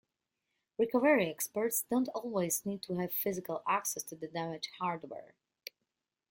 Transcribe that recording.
Recovery experts do not always need to have physical access to the damaged hardware.